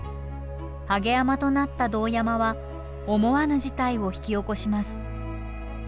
はげ山となった堂山は思わぬ事態を引き起こします。